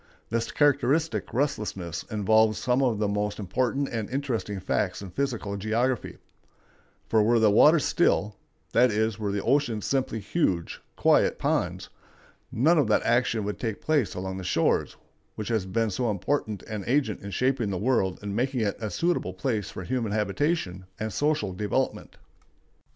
This characteristic restlessness involves some of the most important and interesting facts in physical geography; for were the waters still,—that is, were the oceans simply huge, quiet ponds,—none of that action could take place along the shores which has been so important an agent in shaping the world and making it a suitable place for human habitation and social development.